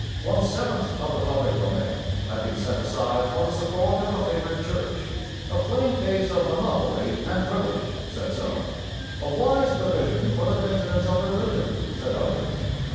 One seventh of the public domain had been set aside for the support of a favoured church: a plain case of monopoly and privilege, said some; a wise provision for the maintenance of religion, said others.